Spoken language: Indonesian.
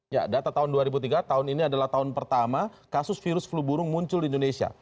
ya data tahun dua ribu tiga tahun ini adalah tahun pertama kasus virus flu burung muncul di indonesia